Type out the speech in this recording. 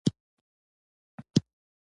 یو ګړی یې خپل کورګی او ځنګل هېر کړ